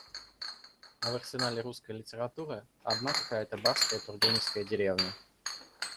А в арсенале русской литературы одна какая-то барская тургеневская деревня.